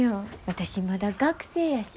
私まだ学生やし。